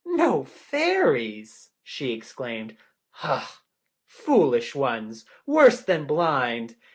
"No Fairies?" she exclaimed. "Ah, foolish ones, worse than blind!